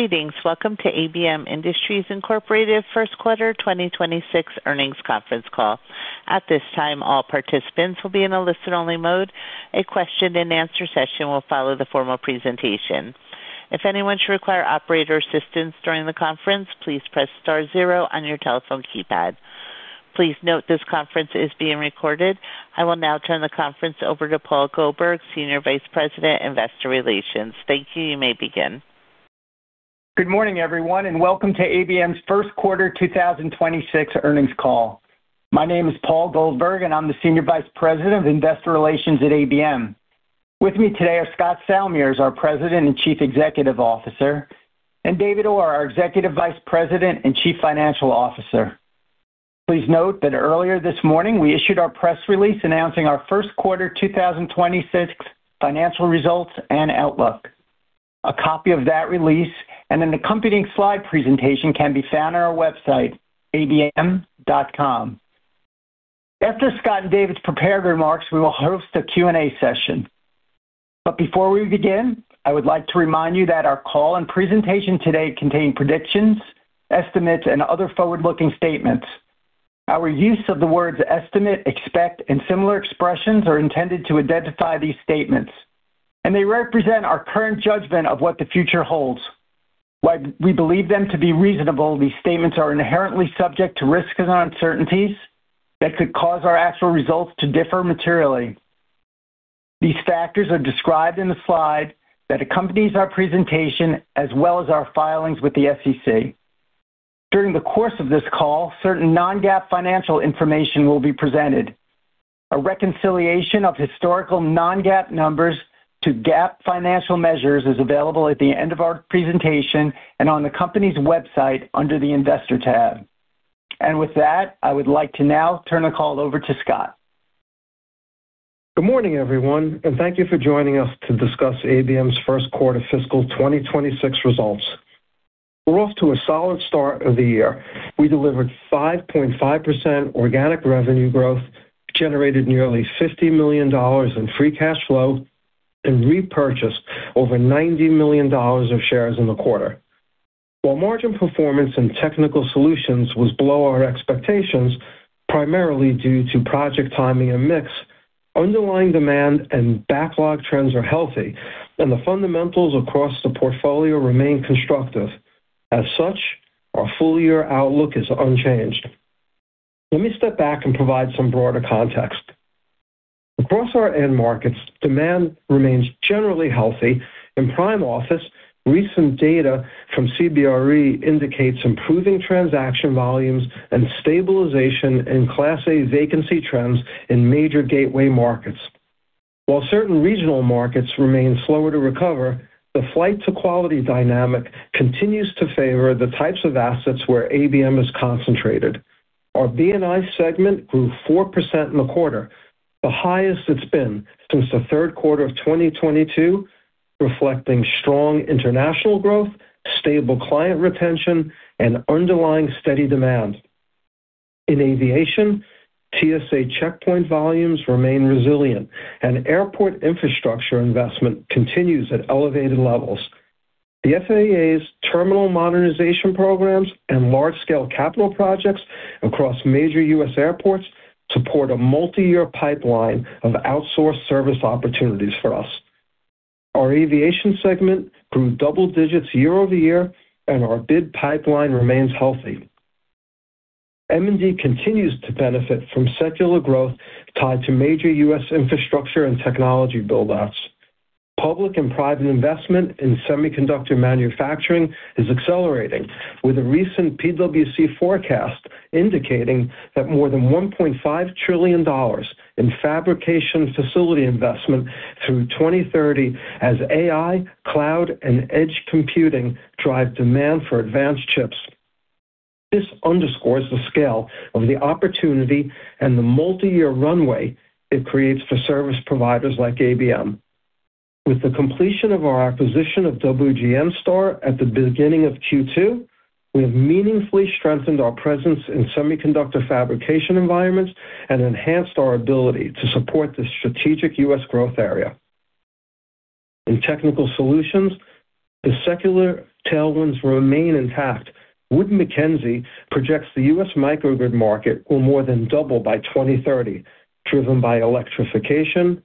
Greetings. Welcome to ABM Industries Incorporated First Quarter 2026 Earnings Conference Call. At this time, all participants will be in a listen-only mode. A question-and-answer session will follow the formal presentation. If anyone should require operator assistance during the conference, please press star zero on your telephone keypad. Please note this conference is being recorded. I will now turn the conference over to Paul Goldberg, Senior Vice President, Investor Relations. Thank you. You may begin. Good morning, everyone, and welcome to ABM's first quarter 2026 earnings call. My name is Paul Goldberg, and I'm the Senior Vice President of Investor Relations at ABM. With me today are Scott Salmirs, our President and Chief Executive Officer, and David Orr, our Executive Vice President and Chief Financial Officer. Please note that earlier this morning, we issued our press release announcing our first quarter 2026 financial results and outlook. A copy of that release and an accompanying slide presentation can be found on our website, abm.com. After Scott and David's prepared remarks, we will host a Q&A session. Before we begin, I would like to remind you that our call and presentation today contain predictions, estimates, and other forward-looking statements. Our use of the words estimate, expect, and similar expressions are intended to identify these statements, and they represent our current judgment of what the future holds. While we believe them to be reasonable, these statements are inherently subject to risks and uncertainties that could cause our actual results to differ materially. These factors are described in the slide that accompanies our presentation as well as our filings with the SEC. During the course of this call, certain non-GAAP financial information will be presented. A reconciliation of historical non-GAAP numbers to GAAP financial measures is available at the end of our presentation and on the company's website under the Investor tab. With that, I would like to now turn the call over to Scott. Good morning, everyone, and thank you for joining us to discuss ABM's first quarter fiscal 2026 results. We're off to a solid start of the year. We delivered 5.5% organic revenue growth, generated nearly $50 million in free cash flow, and repurchased over $90 million of shares in the quarter. While margin performance in Technical Solutions was below our expectations, primarily due to project timing and mix, underlying demand and backlog trends are healthy and the fundamentals across the portfolio remain constructive. As such, our full-year outlook is unchanged. Let me step back and provide some broader context. Across our end markets, demand remains generally healthy. In prime office, recent data from CBRE indicates improving transaction volumes and stabilization in Class A vacancy trends in major gateway markets. While certain regional markets remain slower to recover, the flight to quality dynamic continues to favor the types of assets where ABM is concentrated. Our B&I segment grew 4% in the quarter, the highest it's been since the third quarter of 2022, reflecting strong international growth, stable client retention, and underlying steady demand. In Aviation, TSA checkpoint volumes remain resilient and airport infrastructure investment continues at elevated levels. The FAA's terminal modernization programs and large-scale capital projects across major U.S. airports support a multi-year pipeline of outsourced service opportunities for us. Our Aviation segment grew double digits year-over-year, and our bid pipeline remains healthy. M&D continues to benefit from secular growth tied to major U.S. infrastructure and technology build-outs. Public and private investment in semiconductor manufacturing is accelerating, with a recent PwC forecast indicating that more than $1.5 trillion in fabrication facility investment through 2030 as AI, cloud, and edge computing drive demand for advanced chips. This underscores the scale of the opportunity and the multi-year runway it creates for service providers like ABM. With the completion of our acquisition of WGNSTAR at the beginning of Q2, we have meaningfully strengthened our presence in semiconductor fabrication environments and enhanced our ability to support this strategic U.S. growth area. In technical solutions, the secular tailwinds remain intact. Wood Mackenzie projects the U.S. microgrid market will more than double by 2030, driven by electrification,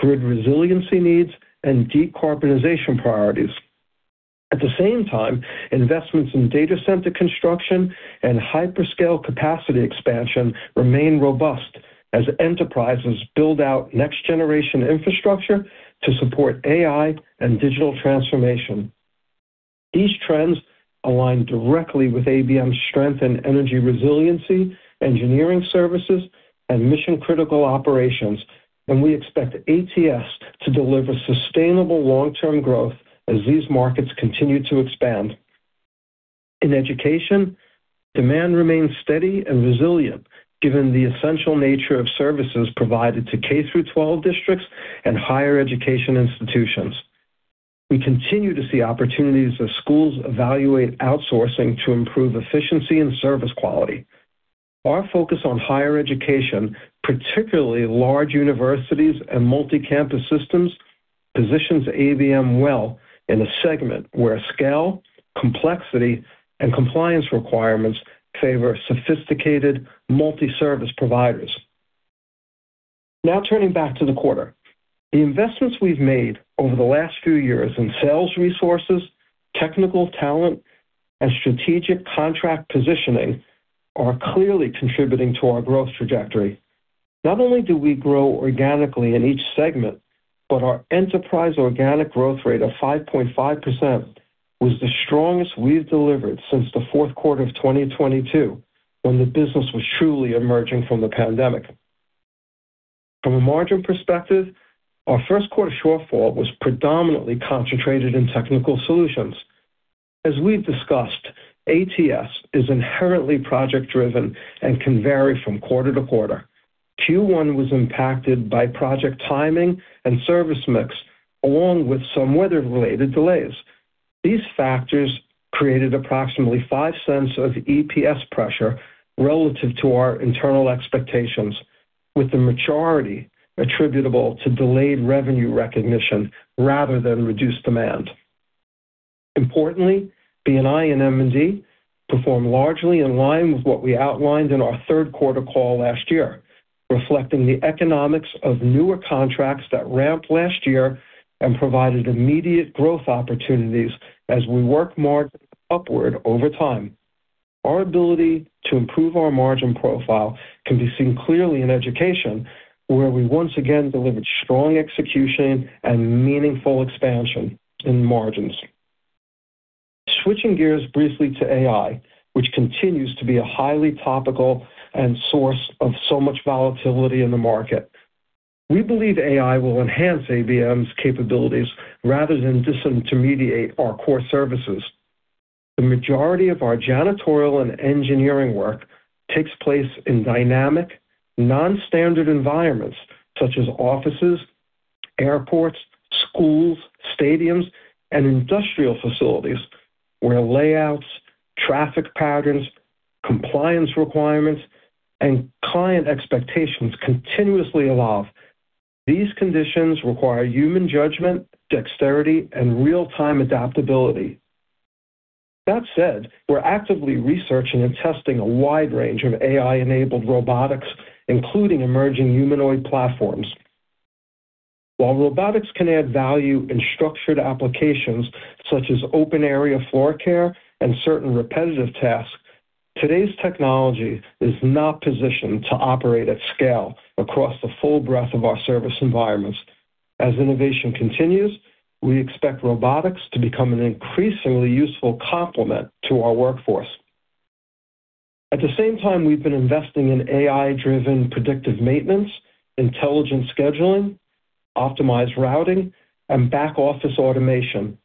grid resiliency needs, and decarbonization priorities. At the same time, investments in data center construction and hyperscale capacity expansion remain robust as enterprises build out next-generation infrastructure to support AI and digital transformation. These trends align directly with ABM's strength in energy resiliency, engineering services, and mission-critical operations, and we expect ATS to deliver sustainable long-term growth as these markets continue to expand. In Education, demand remains steady and resilient given the essential nature of services provided to K through 12 districts and higher education institutions. We continue to see opportunities as schools evaluate outsourcing to improve efficiency and service quality. Our focus on higher education, particularly large universities and multi-campus systems, positions ABM well in a segment where scale, complexity, and compliance requirements favor sophisticated multi-service providers. Now turning back to the quarter. The investments we've made over the last few years in sales resources, technical talent, and strategic contract positioning are clearly contributing to our growth trajectory. Not only do we grow organically in each segment, but our enterprise organic growth rate of 5.5% was the strongest we've delivered since the fourth quarter of 2022, when the business was truly emerging from the pandemic. From a margin perspective, our first quarter shortfall was predominantly concentrated in Technical Solutions. As we've discussed, ATS is inherently project-driven and can vary from quarter to quarter. Q1 was impacted by project timing and service mix, along with some weather-related delays. These factors created approximately $0.05 of EPS pressure relative to our internal expectations, with the majority attributable to delayed revenue recognition rather than reduced demand. Importantly, B&I and M&D performed largely in line with what we outlined in our third quarter call last year, reflecting the economics of newer contracts that ramped last year and provided immediate growth opportunities as we work more upward over time. Our ability to improve our margin profile can be seen clearly in Education, where we once again delivered strong execution and meaningful expansion in margins. Switching gears briefly to AI, which continues to be a highly topical and source of so much volatility in the market. We believe AI will enhance ABM's capabilities rather than disintermediate our core services. The majority of our janitorial and engineering work takes place in dynamic, non-standard environments such as offices, airports, schools, stadiums, and industrial facilities, where layouts, traffic patterns, compliance requirements, and client expectations continuously evolve. These conditions require human judgment, dexterity, and real-time adaptability. That said, we're actively researching and testing a wide range of AI-enabled robotics, including emerging humanoid platforms. While robotics can add value in structured applications such as open area floor care and certain repetitive tasks, today's technology is not positioned to operate at scale across the full breadth of our service environments. As innovation continues, we expect robotics to become an increasingly useful complement to our workforce. At the same time, we've been investing in AI-driven predictive maintenance, intelligent scheduling, optimized routing, and back-office automation.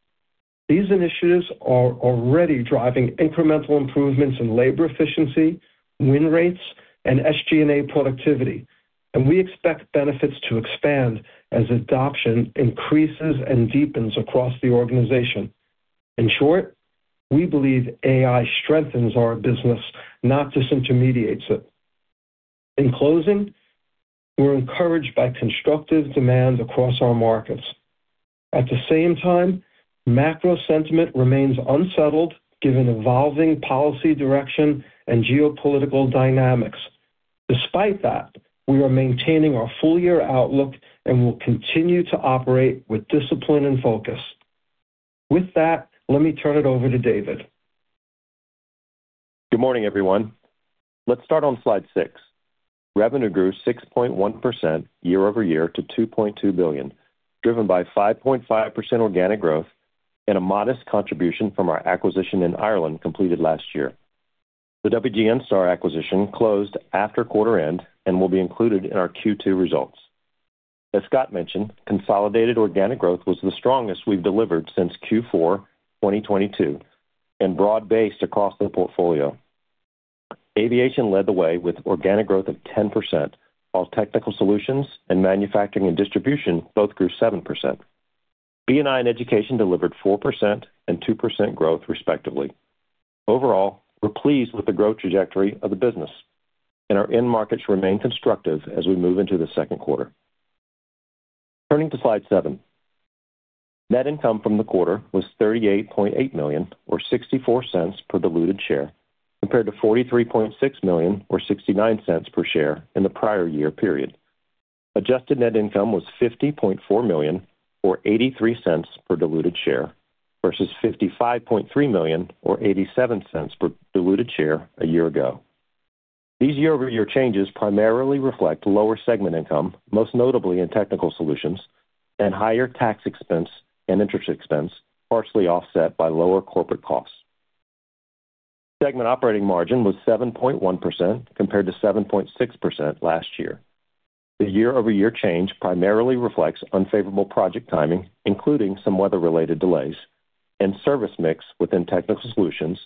These initiatives are already driving incremental improvements in labor efficiency, win rates, and SG&A productivity, and we expect benefits to expand as adoption increases and deepens across the organization. In short, we believe AI strengthens our business, not disintermediates it. In closing, we're encouraged by constructive demand across our markets. At the same time, macro sentiment remains unsettled given evolving policy direction and geopolitical dynamics. Despite that, we are maintaining our full-year outlook and will continue to operate with discipline and focus. With that, let me turn it over to David. Good morning, everyone. Let's start on slide six. Revenue grew 6.1% year-over-year to $2.2 billion, driven by 5.5% organic growth and a modest contribution from our acquisition in Ireland completed last year. The WGNSTAR acquisition closed after quarter end and will be included in our Q2 results. As Scott mentioned, consolidated organic growth was the strongest we've delivered since Q4 2022 and broad-based across the portfolio. Aviation led the way with organic growth of 10%, while Technical Solutions and Manufacturing and Distribution both grew 7%. B&I and Education delivered 4% and 2% growth respectively. Overall, we're pleased with the growth trajectory of the business, and our end markets remain constructive as we move into the second quarter. Turning to slide seven. Net income from the quarter was $38.8 million or $0.64 per diluted share, compared to $43.6 million or $0.69 per share in the prior year period. Adjusted net income was $50.4 million or $0.83 per diluted share versus $55.3 million or $0.87 per diluted share a year ago. These year-over-year changes primarily reflect lower segment income, most notably in Technical Solutions, and higher tax expense and interest expense, partially offset by lower corporate costs. Segment operating margin was 7.1% compared to 7.6% last year. The year-over-year change primarily reflects unfavorable project timing, including some weather-related delays and service mix within Technical Solutions,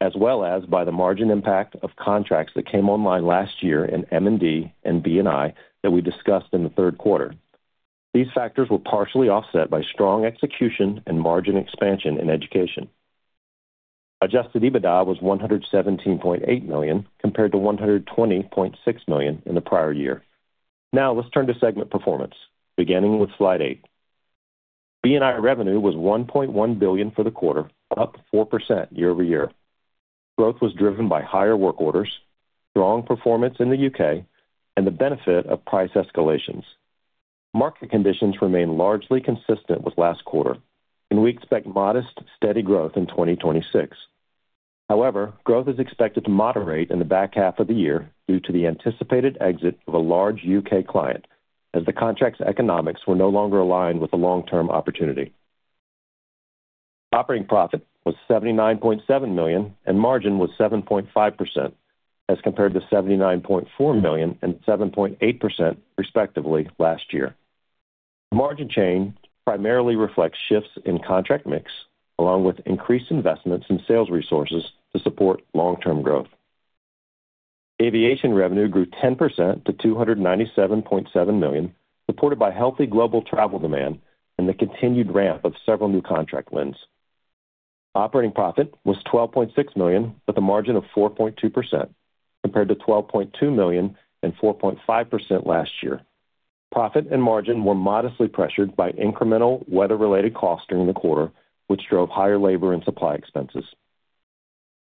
as well as by the margin impact of contracts that came online last year in M&D and B&I that we discussed in the third quarter. These factors were partially offset by strong execution and margin expansion in Education. Adjusted EBITDA was $117.8 million, compared to $120.6 million in the prior year. Now, let's turn to segment performance, beginning with slide eight. B&I revenue was $1.1 billion for the quarter, up 4% year-over-year. Growth was driven by higher work orders, strong performance in the U.K., and the benefit of price escalations. Market conditions remain largely consistent with last quarter, and we expect modest, steady growth in 2026. However, growth is expected to moderate in the back half of the year due to the anticipated exit of a large U.K. client as the contract's economics were no longer aligned with the long-term opportunity. Operating profit was $79.7 million and margin was 7.5% as compared to $79.4 million and 7.8% respectively last year. Margin change primarily reflects shifts in contract mix along with increased investments in sales resources to support long-term growth. Aviation revenue grew 10% to $297.7 million, supported by healthy global travel demand and the continued ramp of several new contract wins. Operating profit was $12.6 million, with a margin of 4.2%, compared to $12.2 million and 4.5% last year. Profit and margin were modestly pressured by incremental weather-related costs during the quarter, which drove higher labor and supply expenses.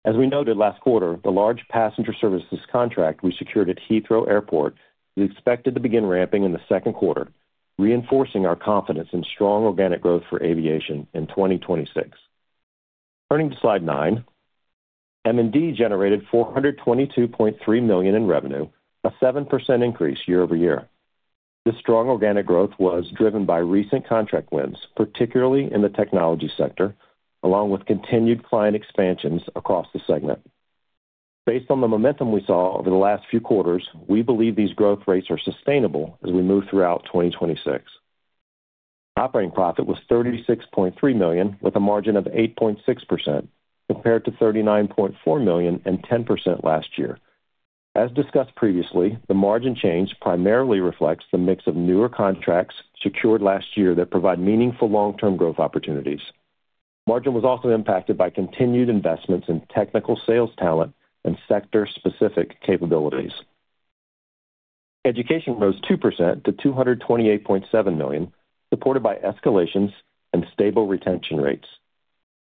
As we noted last quarter, the large passenger services contract we secured at Heathrow Airport is expected to begin ramping in the second quarter, reinforcing our confidence in strong organic growth for Aviation in 2026. Turning to slide nine. M&D generated $422.3 million in revenue, a 7% increase year-over-year. This strong organic growth was driven by recent contract wins, particularly in the technology sector, along with continued client expansions across the segment. Based on the momentum we saw over the last few quarters, we believe these growth rates are sustainable as we move throughout 2026. Operating profit was $36.3 million, with a margin of 8.6%, compared to $39.4 million and 10% last year. As discussed previously, the margin change primarily reflects the mix of newer contracts secured last year that provide meaningful long-term growth opportunities. Margin was also impacted by continued investments in technical sales talent and sector-specific capabilities. Education rose 2% to $228.7 million, supported by escalations and stable retention rates.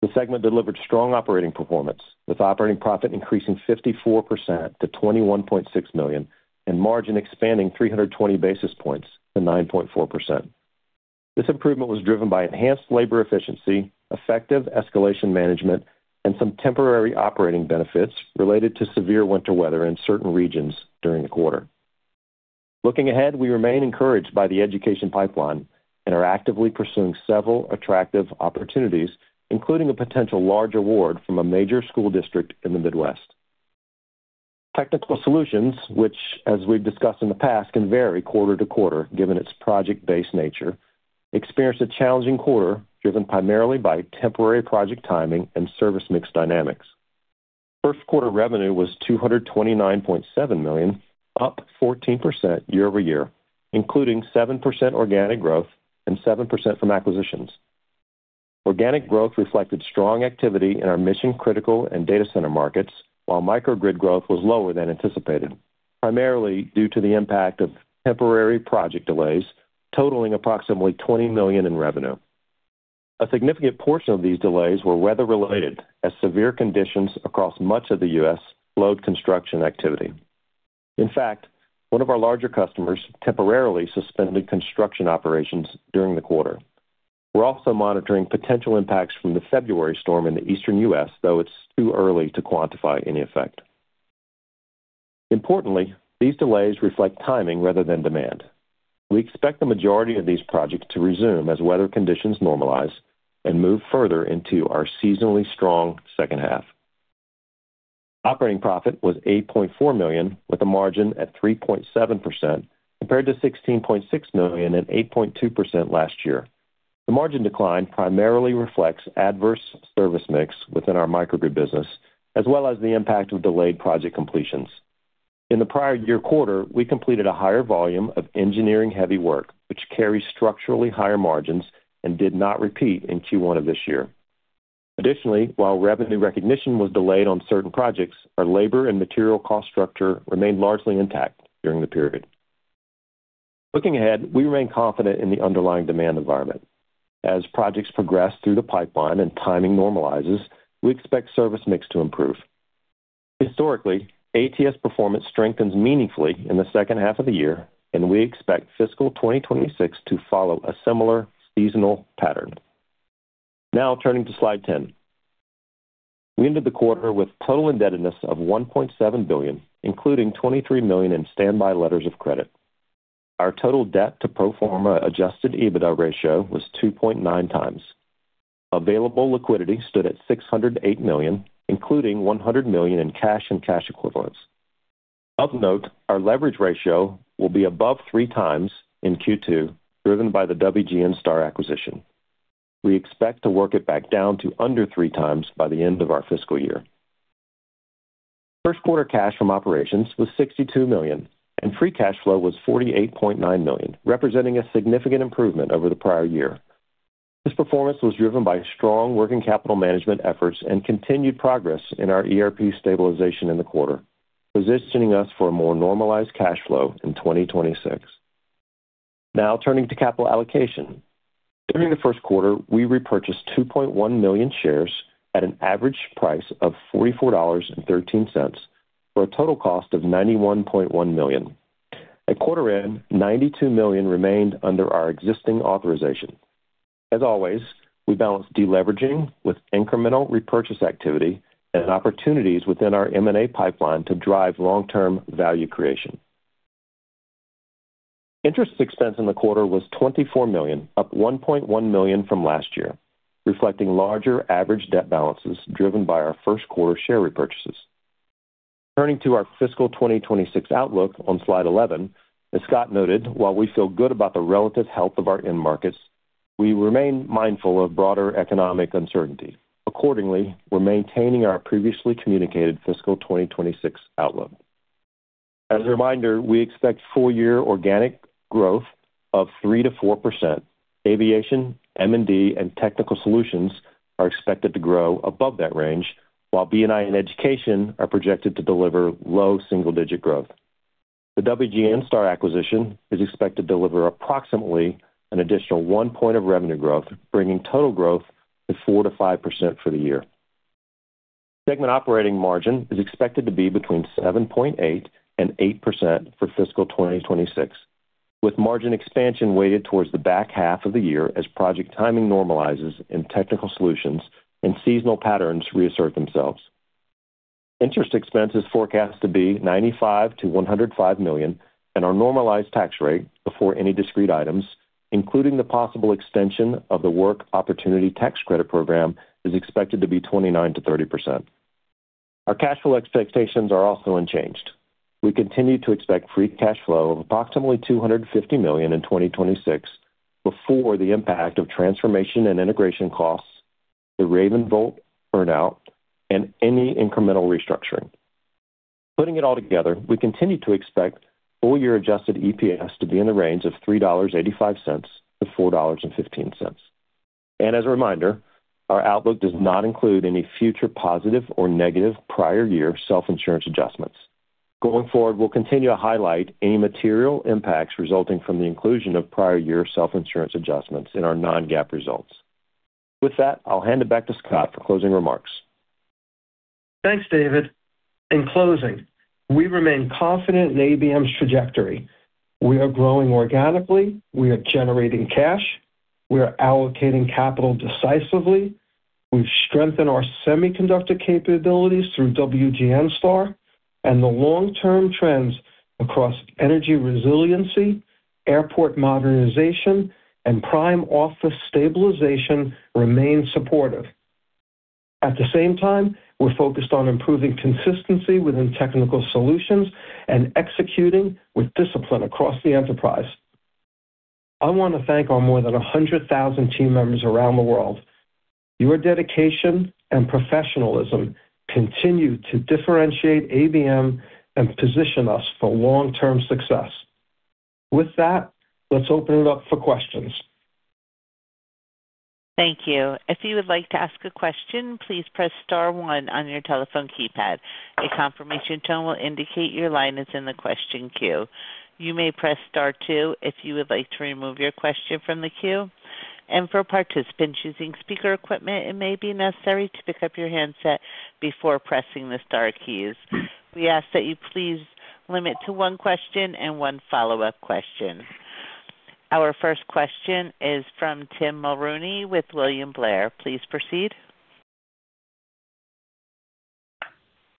The segment delivered strong operating performance, with operating profit increasing 54% to $21.6 million and margin expanding 320 basis points to 9.4%. This improvement was driven by enhanced labor efficiency, effective escalation management, and some temporary operating benefits related to severe winter weather in certain regions during the quarter. Looking ahead, we remain encouraged by the Education pipeline and are actively pursuing several attractive opportunities, including a potential large award from a major school district in the Midwest. Technical Solutions, which, as we've discussed in the past, can vary quarter to quarter given its project-based nature, experienced a challenging quarter driven primarily by temporary project timing and service mix dynamics. First quarter revenue was $229.7 million, up 14% year-over-year, including 7% organic growth and 7% from acquisitions. Organic growth reflected strong activity in our mission-critical and data center markets, while microgrid growth was lower than anticipated, primarily due to the impact of temporary project delays totaling approximately $20 million in revenue. A significant portion of these delays were weather-related as severe conditions across much of the U.S. slowed construction activity. In fact, one of our larger customers temporarily suspended construction operations during the quarter. We're also monitoring potential impacts from the February storm in the Eastern U.S., though it's too early to quantify any effect. Importantly, these delays reflect timing rather than demand. We expect the majority of these projects to resume as weather conditions normalize and move further into our seasonally strong second half. Operating profit was $8.4 million, with a margin at 3.7%, compared to $16.6 million and 8.2% last year. The margin decline primarily reflects adverse service mix within our microgrid business, as well as the impact of delayed project completions. In the prior year quarter, we completed a higher volume of engineering-heavy work, which carries structurally higher margins and did not repeat in Q1 of this year. Additionally, while revenue recognition was delayed on certain projects, our labor and material cost structure remained largely intact during the period. Looking ahead, we remain confident in the underlying demand environment. As projects progress through the pipeline and timing normalizes, we expect service mix to improve. Historically, ATS performance strengthens meaningfully in the second half of the year, and we expect fiscal 2026 to follow a similar seasonal pattern. Now turning to slide 10. We ended the quarter with total indebtedness of $1.7 billion, including $23 million in standby letters of credit. Our total debt to pro forma adjusted EBITDA ratio was 2.9x. Available liquidity stood at $608 million, including $100 million in cash and cash equivalents. Of note, our leverage ratio will be above 3x in Q2, driven by the WGNSTAR acquisition. We expect to work it back down to under 3x by the end of our fiscal year. First quarter cash from operations was $62 million, and free cash flow was $48.9 million, representing a significant improvement over the prior year. This performance was driven by strong working capital management efforts and continued progress in our ERP stabilization in the quarter, positioning us for a more normalized cash flow in 2026. Now turning to capital allocation. During the first quarter, we repurchased 2.1 million shares at an average price of $44.13 for a total cost of $91.1 million. At quarter end, $92 million remained under our existing authorization. As always, we balance deleveraging with incremental repurchase activity and opportunities within our M&A pipeline to drive long-term value creation. Interest expense in the quarter was $24 million, up $1.1 million from last year, reflecting larger average debt balances driven by our first quarter share repurchases. Turning to our fiscal 2026 outlook on slide 11, as Scott noted, while we feel good about the relative health of our end markets, we remain mindful of broader economic uncertainty. Accordingly, we're maintaining our previously communicated fiscal 2026 outlook. As a reminder, we expect full year organic growth of 3%-4%. Aviation, M&D and Technical Solutions are expected to grow above that range, while B&I and Education are projected to deliver low single-digit growth. The WGNSTAR acquisition is expected to deliver approximately an additional 1% of revenue growth, bringing total growth to 4%-5% for the year. Segment operating margin is expected to be between 7.8% and 8% for fiscal 2026, with margin expansion weighted towards the back half of the year as project timing normalizes in Technical Solutions and seasonal patterns reassert themselves. Interest expense is forecast to be $95 million-$105 million and our normalized tax rate before any discrete items, including the possible extension of the Work Opportunity Tax Credit program, is expected to be 29%-30%. Our cash flow expectations are also unchanged. We continue to expect free cash flow of approximately $250 million in 2026 before the impact of transformation and integration costs, the RavenVolt [buyout], and any incremental restructuring. Putting it all together, we continue to expect full year adjusted EPS to be in the range of $3.85-$4.15. As a reminder, our outlook does not include any future positive or negative prior year self-insurance adjustments. Going forward, we'll continue to highlight any material impacts resulting from the inclusion of prior year self-insurance adjustments in our non-GAAP results. With that, I'll hand it back to Scott for closing remarks. Thanks, David. In closing, we remain confident in ABM's trajectory. We are growing organically. We are generating cash. We are allocating capital decisively. We've strengthened our semiconductor capabilities through WGNSTAR, and the long-term trends across energy resiliency, airport modernization, and prime office stabilization remain supportive. At the same time, we're focused on improving consistency within Technical Solutions and executing with discipline across the enterprise. I want to thank our more than 100,000 team members around the world. Your dedication and professionalism continue to differentiate ABM and position us for long-term success. With that, let's open it up for questions. Thank you. If you would like to ask a question, please press star one on your telephone keypad. A confirmation tone will indicate your line is in the question queue. You may press star two if you would like to remove your question from the queue. For participants using speaker equipment, it may be necessary to pick up your handset before pressing the star keys. We ask that you please limit to one question and one follow-up question. Our first question is from Tim Mulrooney with William Blair. Please proceed.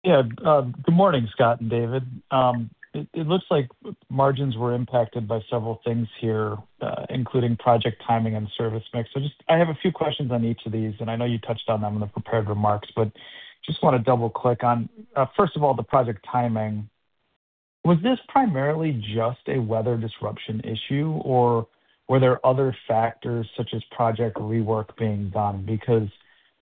Yeah. Good morning, Scott and David. It looks like margins were impacted by several things here, including project timing and service mix. I just have a few questions on each of these, and I know you touched on them in the prepared remarks, but just wanna double-click on, first of all, the project timing. Was this primarily just a weather disruption issue, or were there other factors such as project rework being done? Because,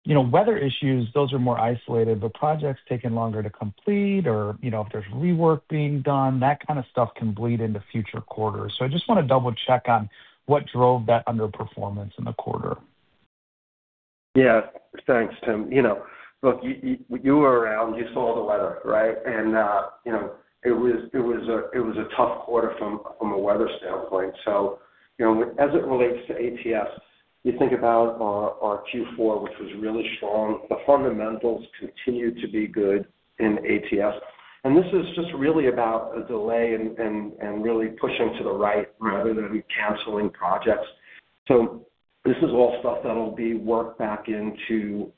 you know, weather issues, those are more isolated, but projects taking longer to complete or, you know, if there's rework being done, that kind of stuff can bleed into future quarters. I just wanna double check on what drove that underperformance in the quarter. Yeah. Thanks, Tim. You know, look, you were around, you saw the weather, right? You know, it was a tough quarter from a weather standpoint. You know, as it relates to ATS, you think about our Q4, which was really strong. The fundamentals continue to be good in ATS, and this is just really about a delay and really pushing to the right rather than canceling projects. This is all stuff that'll be worked back into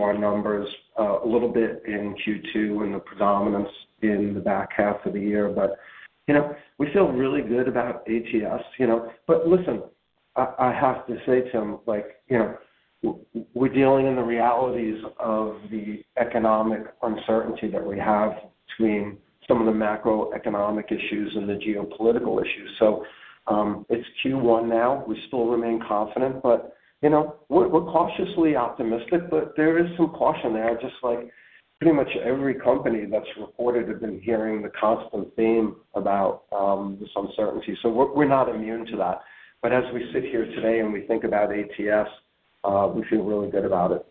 our numbers a little bit in Q2 and the predominance in the back half of the year. You know, we feel really good about ATS, you know. Listen I have to say, Tim, like, you know, we're dealing in the realities of the economic uncertainty that we have between some of the macroeconomic issues and the geopolitical issues. It's Q1 now, we still remain confident, but, you know, we're cautiously optimistic, but there is some caution there, just like pretty much every company that's reported have been hearing the constant theme about some uncertainty. We're not immune to that. As we sit here today and we think about ATS, we feel really good about it.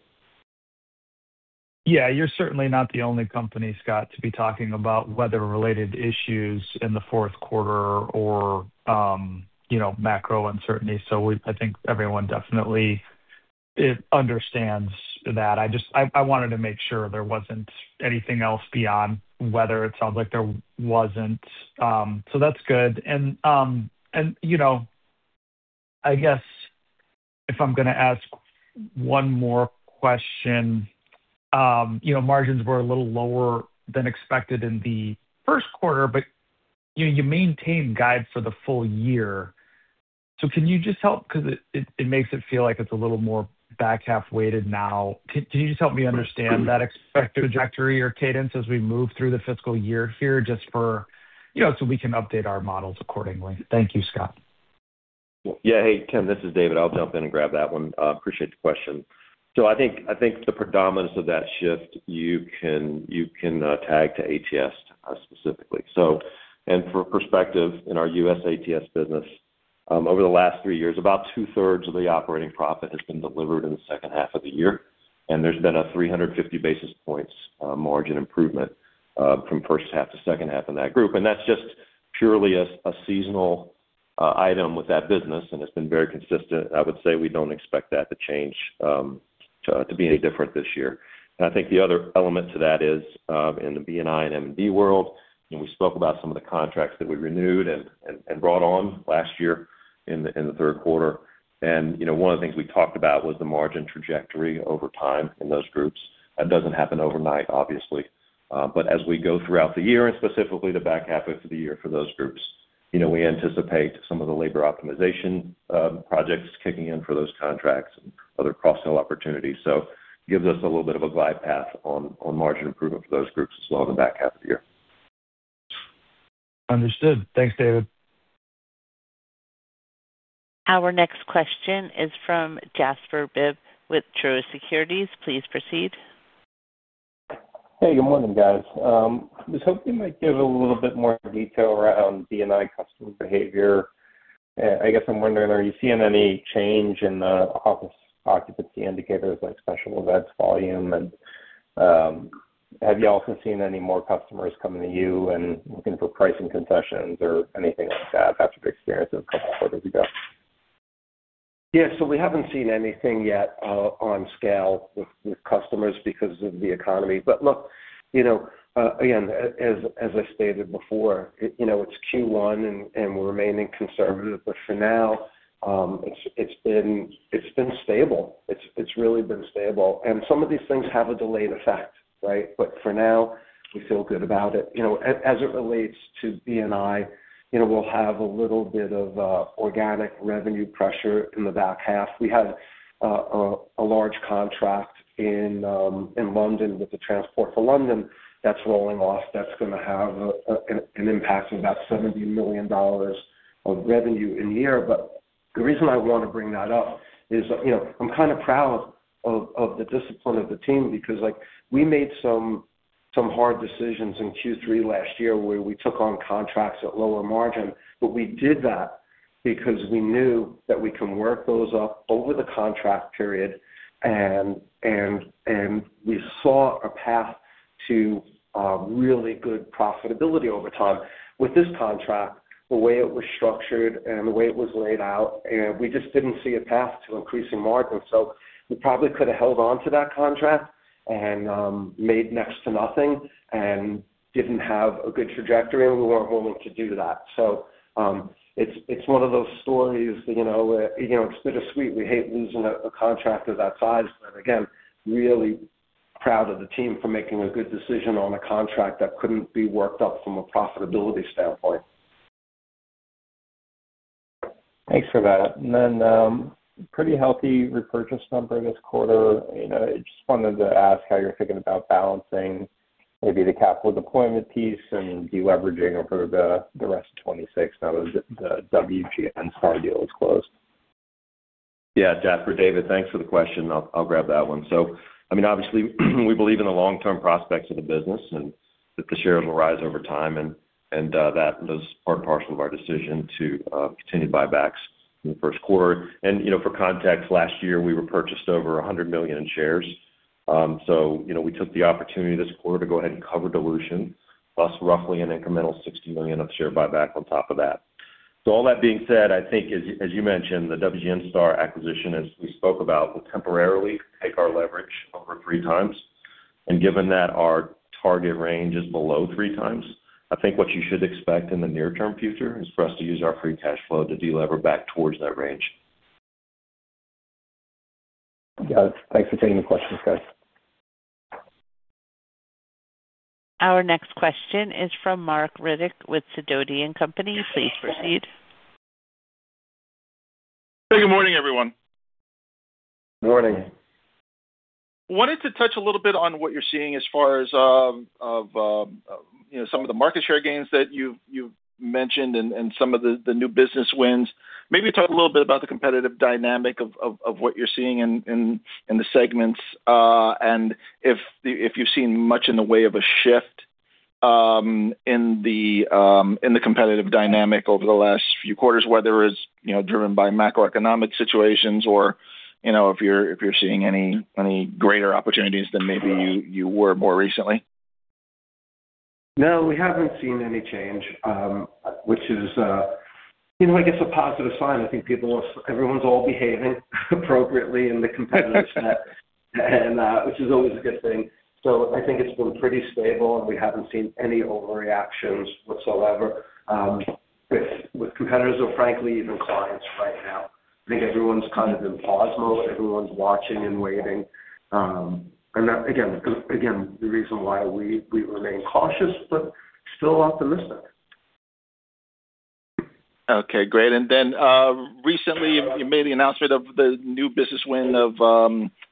Yeah. You're certainly not the only company, Scott, to be talking about weather-related issues in the fourth quarter or, you know, macro uncertainty. I think everyone definitely understands that. I wanted to make sure there wasn't anything else beyond weather. It sounds like there wasn't, so that's good. You know, I guess if I'm gonna ask one more question, you know, margins were a little lower than expected in the first quarter, but, you know, you maintained guides for the full year. Can you just help? 'Cause it makes it feel like it's a little more back half-weighted now. Can you just help me understand that expected trajectory or cadence as we move through the fiscal year here, just for, you know, so we can update our models accordingly? Thank you, Scott. Yeah. Hey, Tim, this is David. I'll jump in and grab that one. Appreciate the question. I think the predominance of that shift, you can tag to ATS specifically. For perspective in our U.S. ATS business, over the last three years, about 2/3 of the operating profit has been delivered in the second half of the year, and there's been a 350 basis points margin improvement from first half to second half in that group. That's just purely a seasonal item with that business, and it's been very consistent. I would say we don't expect that to change to be any different this year. I think the other element to that is, in the B&I and M&D world, you know, we spoke about some of the contracts that we renewed and brought on last year in the third quarter. You know, one of the things we talked about was the margin trajectory over time in those groups. That doesn't happen overnight, obviously. As we go throughout the year and specifically the back half of the year for those groups, you know, we anticipate some of the labor optimization projects kicking in for those contracts and other cross-sell opportunities. Gives us a little bit of a glide path on margin improvement for those groups as well in the back half of the year. Understood. Thanks, David. Our next question is from Jasper Bibb with Truist Securities. Please proceed. Hey, good morning, guys. I was hoping you might give a little bit more detail around B&I customer behavior. I guess I'm wondering, are you seeing any change in the office occupancy indicators like special events volume? Have you also seen any more customers coming to you and looking for pricing concessions or anything like that after the experience of a couple of quarters ago? Yeah. We haven't seen anything yet on scale with customers because of the economy. Look, you know, again, as I stated before, you know, it's Q1 and we're remaining conservative. For now, it's been stable. It's really been stable. Some of these things have a delayed effect, right? For now, we feel good about it. You know, as it relates to B&I, you know, we'll have a little bit of organic revenue pressure in the back half. We had a large contract in London with the Transport for London that's rolling off, that's gonna have an impact of about $70 million of revenue in the year. The reason I wanna bring that up is, you know, I'm kind of proud of the discipline of the team because, like, we made some hard decisions in Q3 last year, where we took on contracts at lower margin. We did that because we knew that we can work those up over the contract period and we saw a path to really good profitability over time. With this contract, the way it was structured and the way it was laid out, we just didn't see a path to increasing margins. We probably could have held on to that contract and made next to nothing and didn't have a good trajectory, and we weren't willing to do that. It's one of those stories that, you know, you know, it's bittersweet. We hate losing a contract of that size. Again, really proud of the team for making a good decision on a contract that couldn't be worked up from a profitability standpoint. Thanks for that. Pretty healthy repurchase number this quarter. You know, I just wanted to ask how you're thinking about balancing maybe the capital deployment piece and de-leveraging over the rest of 2026 now that the WGNSTAR deal is closed. Yeah, Jasper. David, thanks for the question. I'll grab that one. I mean, obviously, we believe in the long-term prospects of the business and that the shares will rise over time and that was part and parcel of our decision to continue buybacks in the first quarter. You know, for context, last year, we repurchased over $100 million in shares. You know, we took the opportunity this quarter to go ahead and cover dilution, plus roughly an incremental $60 million of share buyback on top of that. All that being said, I think as you mentioned, the WGNSTAR acquisition, as we spoke about, will temporarily take our leverage over 3x. Given that our target range is below 3x, I think what you should expect in the near-term future is for us to use our free cash flow to delever back towards that range. Yeah. Thanks for taking the questions, guys. Our next question is from Marc Riddick with Sidoti & Company. Please proceed. Hey, good morning, everyone. Morning. Wanted to touch a little bit on what you're seeing as far as of you know some of the market share gains that you've mentioned and some of the new business wins. Maybe talk a little bit about the competitive dynamic of what you're seeing in the segments. If you've seen much in the way of a shift in the competitive dynamic over the last few quarters, whether it's you know driven by macroeconomic situations or you know if you're seeing any greater opportunities than maybe you were more recently. No, we haven't seen any change, which is, you know, I guess, a positive sign. I think everyone's all behaving appropriately in the competitive set, and which is always a good thing. I think it's been pretty stable, and we haven't seen any overreactions whatsoever, with competitors or frankly even clients right now. I think everyone's kind of in pause mode. Everyone's watching and waiting. Again, the reason why we remain cautious but still optimistic. Okay, great. Recently you made the announcement of the new business win of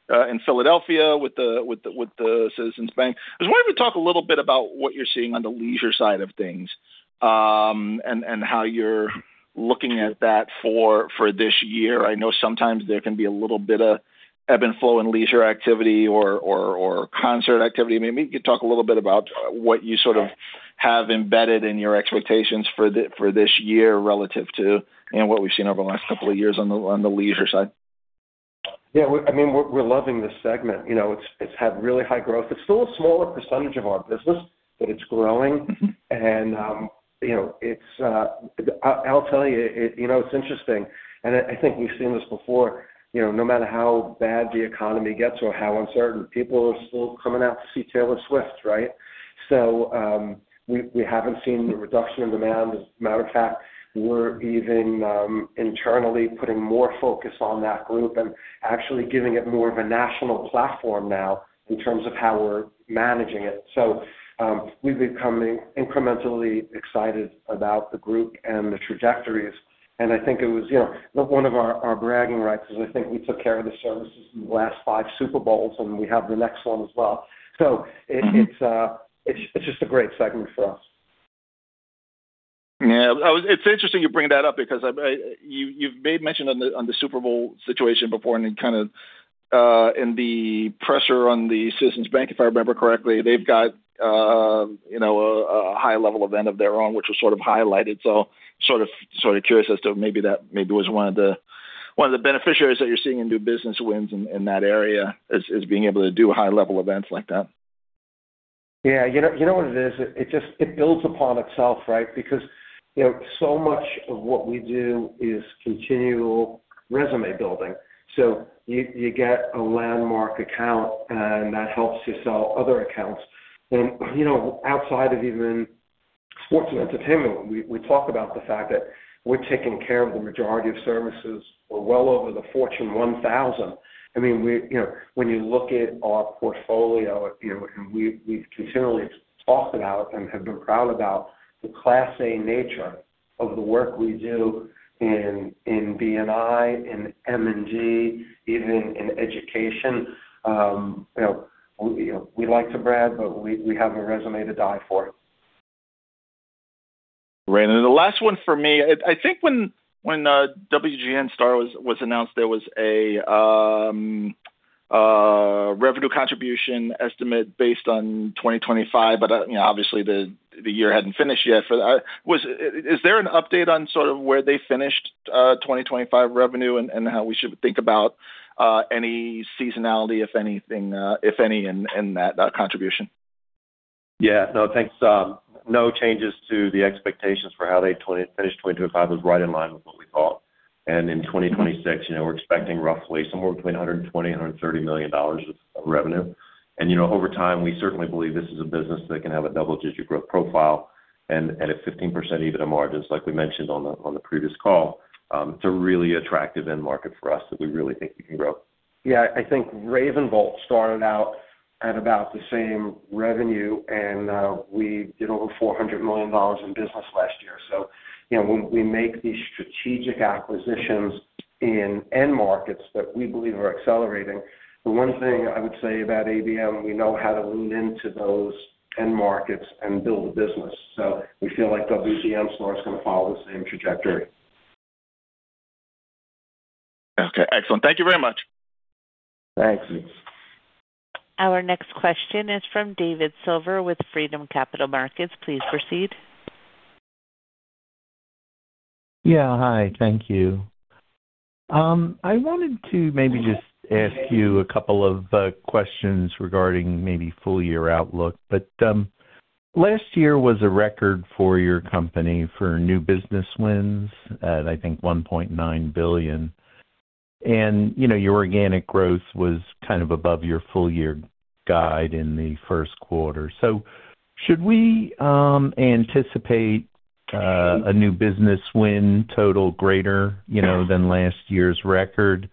in Philadelphia with the Citizens Bank Park. I just wanted to talk a little bit about what you're seeing on the leisure side of things, and how you're looking at that for this year. I know sometimes there can be a little bit of ebb and flow in leisure activity or concert activity. Maybe you could talk a little bit about what you sort of have embedded in your expectations for this year relative to, you know, what we've seen over the last couple of years on the leisure side. Yeah, I mean, we're loving this segment. You know, it's had really high growth. It's still a smaller percentage of our business, but it's growing. You know, it's interesting, and I think we've seen this before. You know, no matter how bad the economy gets or how uncertain, people are still coming out to see Taylor Swift, right? We haven't seen the reduction in demand. As a matter of fact, we're even internally putting more focus on that group and actually giving it more of a national platform now in terms of how we're managing it. We've been getting incrementally excited about the group and the trajectories, and I think it was, you know, one of our bragging rights is we took care of the services in the last five Super Bowls, and we have the next one as well. It's just a great segment for us. Yeah. It's interesting you bring that up because you've made mention of the Super Bowl situation before and then kind of and the pressure on the Citizens Bank Park, if I remember correctly. They've got you know a high level event of their own, which was sort of highlighted. Sort of curious as to maybe that was one of the beneficiaries that you're seeing in new business wins in that area is being able to do high-level events like that. Yeah. You know, you know what it is? It just. It builds upon itself, right? Because, you know, so much of what we do is continual resume building. So you get a landmark account, and that helps you sell other accounts. You know, outside of even sports and entertainment, we talk about the fact that we're taking care of the majority of services or well over the Fortune 1000. I mean, we. You know, when you look at our portfolio, you know, and we've continually talked about and have been proud about the Class A nature of the work we do in B&I, in M&D, even in Education. You know, we, you know, we like to brag, but we have a resume to die for. Great. The last one for me. I think when WGNSTAR was announced, there was a revenue contribution estimate based on 2025, but you know, obviously the year hadn't finished yet. Is there an update on sort of where they finished 2025 revenue and how we should think about any seasonality, if anything, in that contribution? Yeah. No, thanks. No changes to the expectations for how they finished 2025 was right in line with what we thought. In 2026, you know, we're expecting roughly somewhere between $120 million and $130 million of revenue. You know, over time, we certainly believe this is a business that can have a double-digit growth profile and at 15% EBITDA margins, like we mentioned on the previous call. It's a really attractive end market for us that we really think we can grow. Yeah. I think RavenVolt started out at about the same revenue, and we did over $400 million in business last year. So, you know, we make these strategic acquisitions in end markets that we believe are accelerating. The one thing I would say about ABM, we know how to lean into those end markets and build a business. We feel like WGNSTAR is gonna follow the same trajectory. Okay. Excellent. Thank you very much. Thanks. Our next question is from David Silver with Freedom Capital Markets. Please proceed. Yeah. Hi. Thank you. I wanted to maybe just ask you a couple of questions regarding maybe full year outlook. Last year was a record for your company for new business wins at, I think, $1.9 billion. You know, your organic growth was kind of above your full year guide in the first quarter. Should we anticipate a new business win total greater, you know, than last year's record.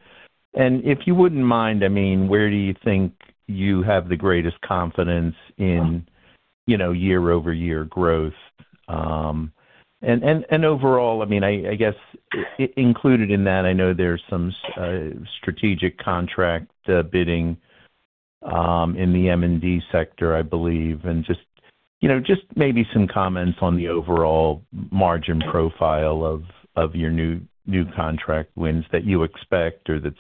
If you wouldn't mind, I mean, where do you think you have the greatest confidence in, you know, year-over-year growth. Overall, I mean, I guess included in that, I know there's some strategic contract bidding in the M&D sector, I believe. Just, you know, just maybe some comments on the overall margin profile of your new contract wins that you expect or that's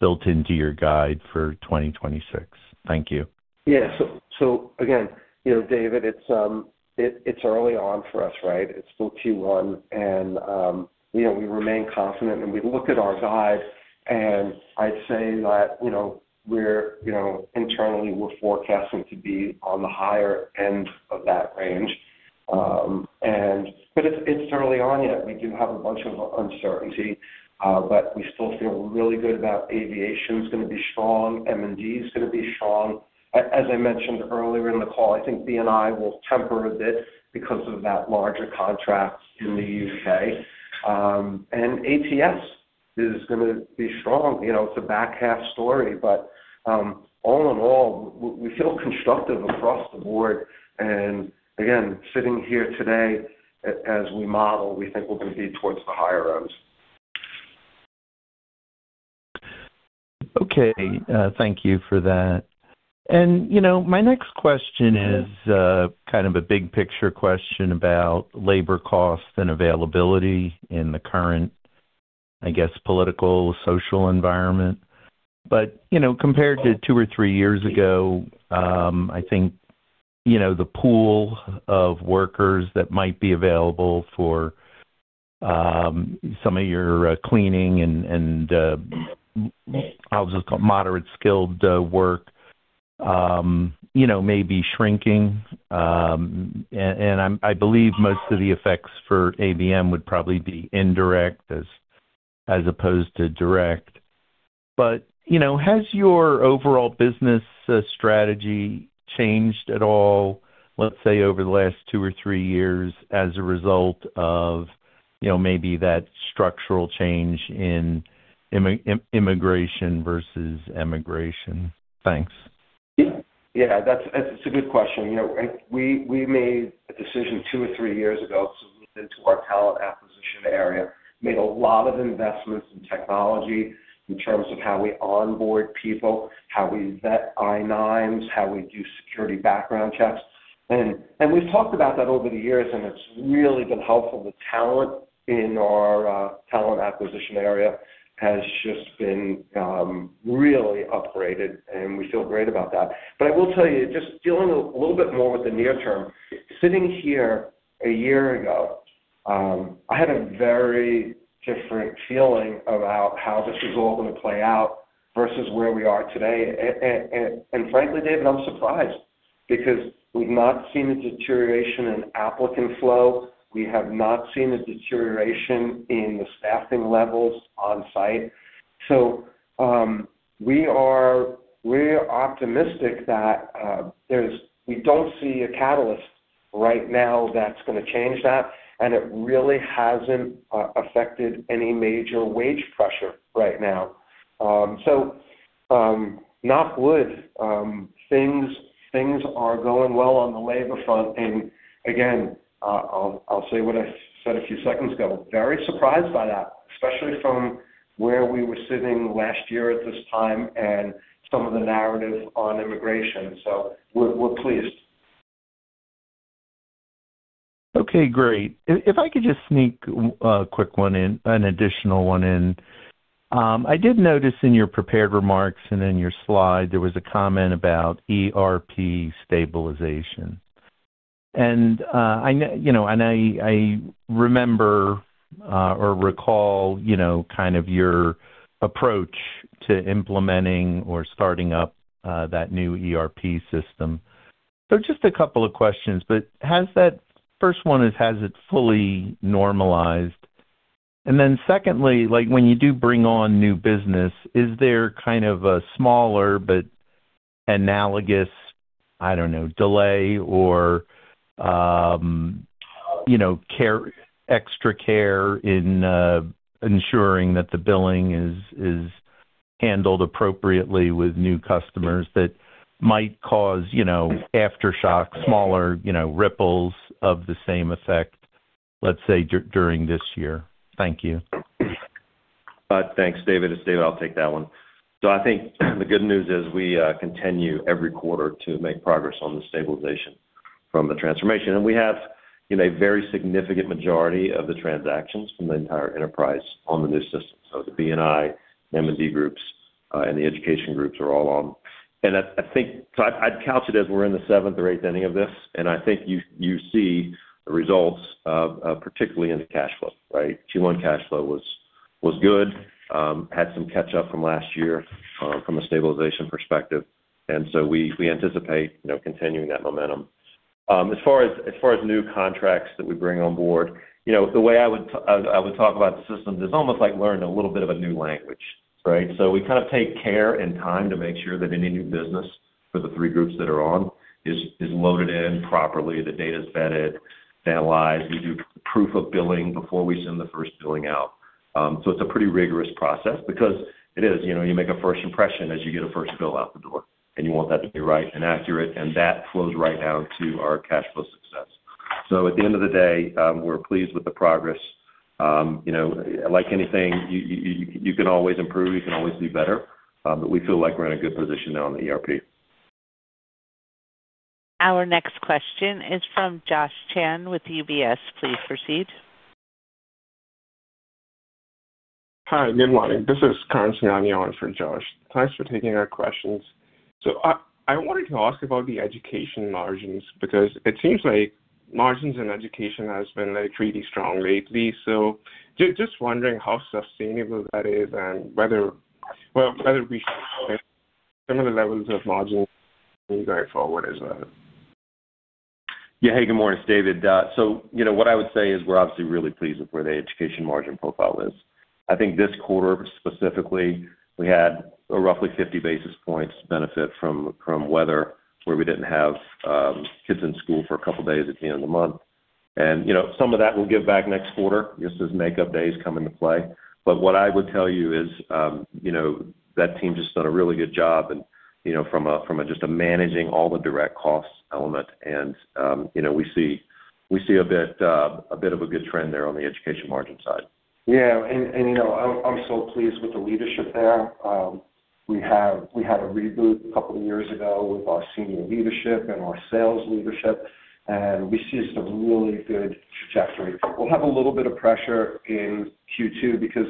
built into your guide for 2026? Thank you. Yeah. Again, you know, David, it's early on for us, right? It's still Q1, you know, we remain confident and we look at our guide, and I'd say that, you know, we're, you know, internally, we're forecasting to be on the higher end of that range. It's early on yet. We do have a bunch of uncertainty, but we still feel really good about Aviation gonna be strong, M&D gonna be strong. As I mentioned earlier in the call, I think B&I will temper a bit because of that larger contract in the U.K. ATS gonna be strong. You know, it's a back half story, but all in all, we feel constructive across the board, and again, sitting here today as we model, we think we're gonna be towards the higher ends. Okay. Thank you for that. You know, my next question is kind of a big picture question about labor costs and availability in the current, I guess, political, social environment. Compared to two or three years ago, I think you know, the pool of workers that might be available for some of your cleaning and I'll just call moderate skilled work you know, may be shrinking. I believe most of the effects for ABM would probably be indirect as opposed to direct. Has your overall business strategy changed at all, let's say, over the last two or three years as a result of you know, maybe that structural change in immigration versus emigration? Thanks. Yeah. That's a good question. You know, we made a decision two or three years ago to listen to our talent acquisition area, made a lot of investments in technology in terms of how we onboard people, how we vet I-9s, how we do security background checks. We've talked about that over the years, and it's really been helpful. The talent in our talent acquisition area has just been really upgraded, and we feel great about that. I will tell you, just dealing a little bit more with the near term. Sitting here a year ago, I had a very different feeling about how this was all gonna play out versus where we are today. Frankly, David, I'm surprised because we've not seen a deterioration in applicant flow. We have not seen a deterioration in the staffing levels on site. We're optimistic that we don't see a catalyst right now that's gonna change that, and it really hasn't affected any major wage pressure right now. [Knock wood], things are going well on the labor front. Again, I'll say what I said a few seconds ago, very surprised by that, especially from where we were sitting last year at this time and some of the narrative on immigration. We're pleased. Okay, great. If I could just sneak in a quick one, an additional one in. I did notice in your prepared remarks and in your slide there was a comment about ERP stabilization. I know, you know, and I remember or recall, you know, kind of your approach to implementing or starting up that new ERP system. Just a couple of questions, but has that fully normalized? First one is, has it fully normalized? Then secondly, like, when you do bring on new business, is there kind of a smaller but analogous, I don't know, delay or, you know, extra care in ensuring that the billing is handled appropriately with new customers that might cause, you know, aftershock, smaller, you know, ripples of the same effect, let's say, during this year? Thank you. Thanks, David. It's Dave, I'll take that one. I think the good news is we continue every quarter to make progress on the stabilization from the transformation. We have, you know, a very significant majority of the transactions from the entire enterprise on the new system. The B&I, M&D groups, and the Education groups are all on. I think I'd count it as we're in the seventh or eighth inning of this, and I think you see the results, particularly in the cash flow, right? Q1 cash flow was good. Had some catch up from last year from a stabilization perspective. We anticipate, you know, continuing that momentum. As far as new contracts that we bring on board, you know, the way I would talk about the systems, it's almost like learning a little bit of a new language, right? We kind of take care and time to make sure that any new business for the three groups that are on is loaded in properly. The data is vetted, analyzed. We do proof of billing before we send the first billing out. It's a pretty rigorous process because it is. You know, you make a first impression as you get a first bill out the door, and you want that to be right and accurate, and that flows right down to our cash flow success. At the end of the day, we're pleased with the progress. You know, like anything, you can always improve, you can always do better. We feel like we're in a good position now on the ERP. Our next question is from Josh Chan with UBS. Please proceed. Hi. Good morning. This is Karan Singhania for Josh. Thanks for taking our questions. I wanted to ask about the Education margins, because it seems like margins in Education has been, like, really strong lately. Just wondering how sustainable that is and whether, well, whether we should expect similar levels of margins going forward as well. Yeah. Hey, good morning. It's David. You know, what I would say is we're obviously really pleased with where the Education margin profile is. I think this quarter specifically, we had a roughly 50 basis points benefit from weather, where we didn't have kids in school for a couple days at the end of the month. You know, some of that we'll give back next quarter just as makeup days come into play. What I would tell you is, you know, that team just done a really good job and, you know, from just managing all the direct costs element. You know, we see a bit of a good trend there on the Education margin side. Yeah. You know, I'm so pleased with the leadership there. We had a reboot a couple of years ago with our senior leadership and our sales leadership, and we see some really good trajectory. We'll have a little bit of pressure in Q2 because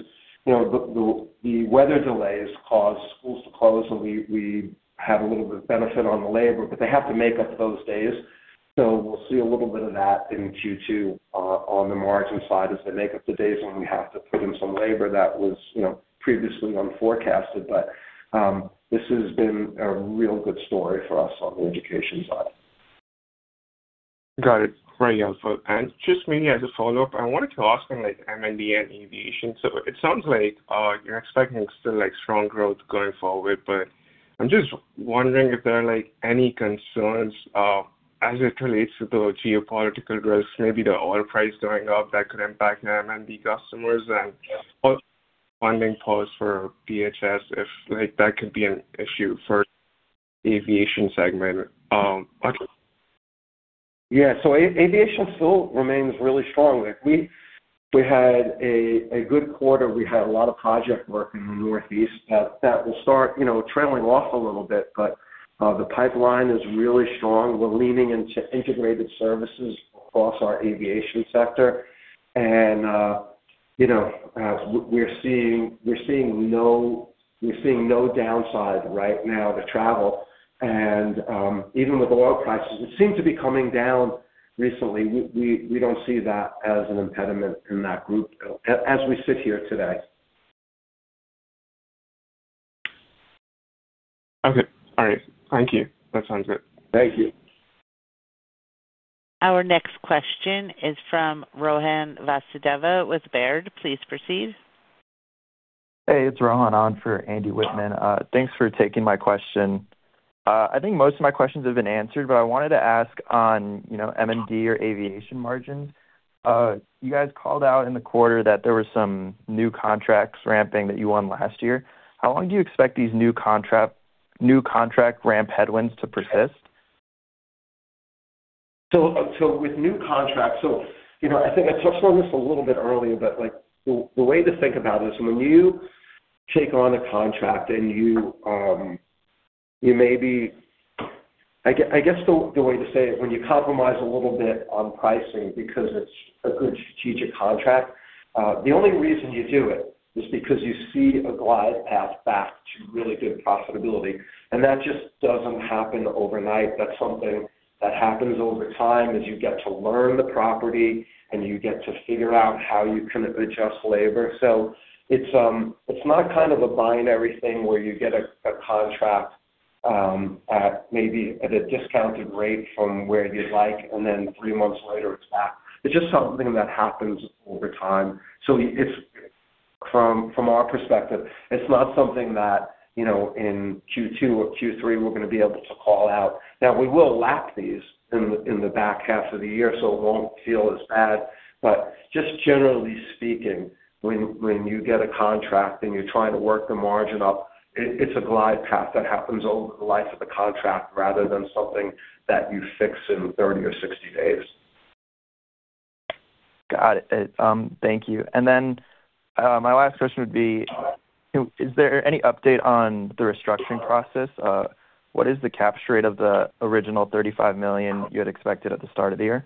you know, the weather delays cause schools to close, and we have a little bit of benefit on the labor, but they have to make up those days. We'll see a little bit of that in Q2 on the margin side as they make up the days when we have to put in some labor that was you know, previously unforecasted. This has been a real good story for us on the Education side. Got it. Very helpful. Just maybe as a follow-up, I wanted to ask on, like, M&D and Aviation. It sounds like, you're expecting still, like, strong growth going forward, but I'm just wondering if there are, like, any concerns, as it relates to the geopolitical growth, maybe the oil price going up that could impact the M&D customers and funding pause for BHS if, like, that could be an issue for the Aviation segment, actually. Yeah. Aviation still remains really strong. Like, we had a good quarter. We had a lot of project work in the Northeast that will start, you know, trailing off a little bit, but the pipeline is really strong. We're leaning into integrated services across our Aviation sector. You know, we're seeing no downside right now to travel. Even with oil prices, it seemed to be coming down recently. We don't see that as an impediment in that group as we sit here today. Okay. All right. Thank you. That sounds good. Thank you. Our next question is from Rohan Vasudeva with Baird. Please proceed. Hey, it's Rohan. On for Andy Wittmann. Thanks for taking my question. I think most of my questions have been answered, but I wanted to ask on, you know, M&D or Aviation margins. You guys called out in the quarter that there were some new contracts ramping that you won last year. How long do you expect these new contract ramp headwinds to persist? With new contracts, you know, I think I touched on this a little bit earlier, but, like, the way to think about it is when you take on a contract and you maybe, I guess the way to say it, when you compromise a little bit on pricing because it's a good strategic contract, the only reason you do it is because you see a glide path back to really good profitability, and that just doesn't happen overnight. That's something that happens over time as you get to learn the property and you get to figure out how you can adjust labor. It's not kind of a buy and everything where you get a contract at maybe a discounted rate from where you'd like, and then three months later, it's back. It's just something that happens over time. It's from our perspective, it's not something that, you know, in Q2 or Q3, we're gonna be able to call out. Now, we will lap these in the back half of the year, so it won't feel as bad. Just generally speaking, when you get a contract and you're trying to work the margin up, it's a glide path that happens over the life of the contract rather than something that you fix in 30 or 60 days. Got it. Thank you. My last question would be, is there any update on the restructuring process? What is the capture rate of the original $35 million you had expected at the start of the year?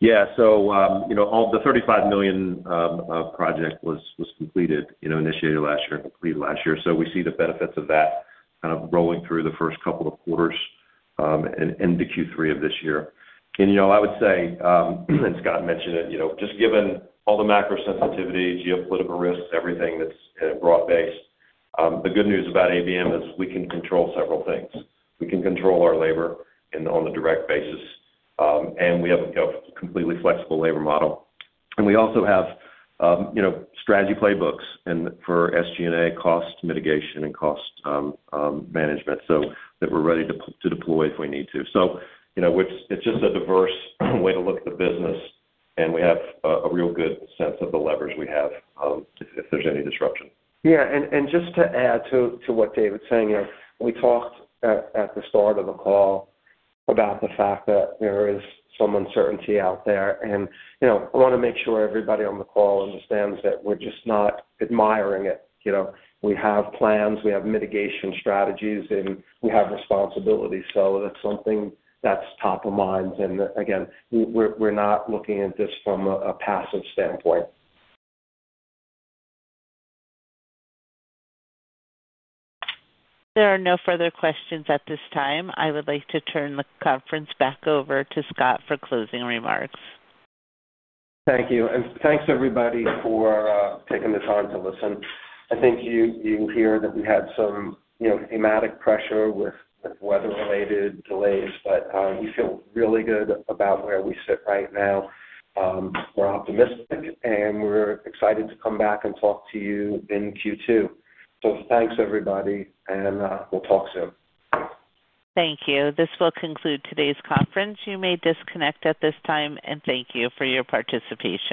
Yeah. You know, all the $35 million project was completed, initiated last year, completed last year. We see the benefits of that kind of rolling through the first couple of quarters and into Q3 of this year. You know, I would say, and Scott mentioned it, just given all the macro sensitivity, geopolitical risks, everything that's broad-based, the good news about ABM is we can control several things. We can control our labor on a direct basis and we have a completely flexible labor model. We also have, you know, strategy playbooks for SG&A cost mitigation and cost management, so that we're ready to deploy if we need to. You know, it's just a diverse way to look at the business, and we have a real good sense of the leverage we have, if there's any disruption. Yeah. Just to add to what David's saying is, we talked at the start of the call about the fact that there is some uncertainty out there. You know, I wanna make sure everybody on the call understands that we're just not admiring it. You know, we have plans, we have mitigation strategies, and we have responsibilities. That's something that's top of mind. Again, we're not looking at this from a passive standpoint. There are no further questions at this time. I would like to turn the conference back over to Scott for closing remarks. Thank you. Thanks everybody for taking the time to listen. I think you hear that we had some, you know, thematic pressure with weather-related delays, but we feel really good about where we sit right now. We're optimistic, and we're excited to come back and talk to you in Q2. Thanks, everybody, and we'll talk soon. Thank you. This will conclude today's conference. You may disconnect at this time, and thank you for your participation.